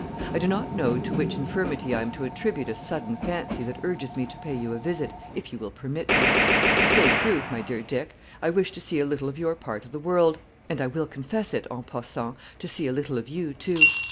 I do not know to which infirmity I am to attribute a sudden fancy that urges me to pay you a visit, if you will admit me. To say truth, my dear Dick, I wish to see a little of your part of the world, and, I will confess it, en passant, to see a little of you too.